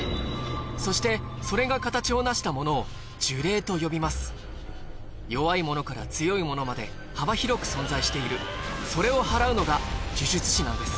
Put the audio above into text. そしてそれが形をなしたものを呪霊と呼びます弱いものから強いものまで幅広く存在しているそれを祓うのが呪術師なんです